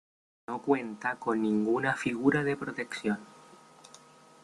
No cuenta con ninguna figura de protección.